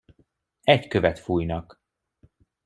Egy követ fújnak.